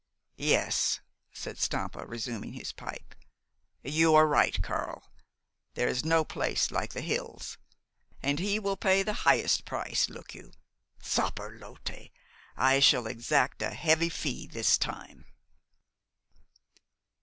"Yes," said Stampa, resuming his pipe. "You are right, Karl. There is no place like the hills. And he will pay the highest price, look you! Saperlotte! I shall exact a heavy fee this time."